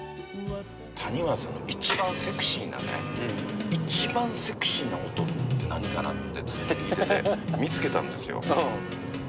谷村さんの一番セクシーなね、一番セクシーな音って何かなってずっと聴いてて、見つけたんですよ。